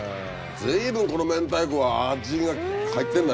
随分この明太子は味が入ってんだね。